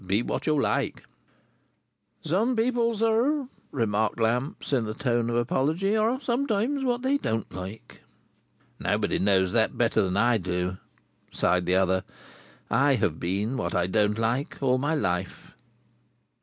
Be what you like." "Some people, sir," remarked Lamps, in a tone of apology, "are sometimes what they don't like." "Nobody knows that better than I do," sighed the other. "I have been what I don't like, all my life."